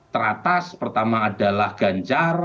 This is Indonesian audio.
teratas pertama adalah ganjar